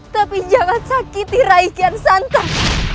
tapi jangan sakiti rakyat santan